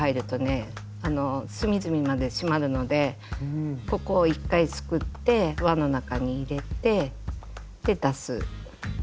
隅々まで締まるのでここを１回すくって輪の中に入れてで出す。